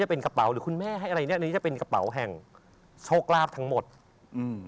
แต่เขาตัดได้มั้ยอันนี้อย่างนี้อย่างนี้อย่างนี้